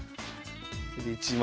これで１枚。